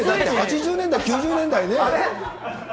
１９８０年代、９０年代ね。